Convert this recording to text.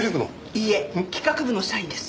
いいえ企画部の社員です。